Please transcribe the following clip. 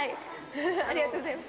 ありがとうございます。